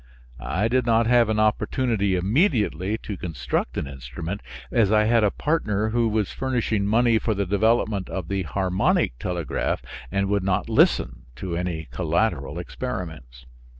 I did not have an opportunity immediately to construct an instrument, as I had a partner who was furnishing money for the development of the harmonic telegraph and would not listen to any collateral experiments.